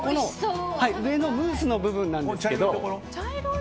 上のムースの部分なんですけど。